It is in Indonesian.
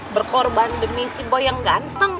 berkorban demi si boy yang ganteng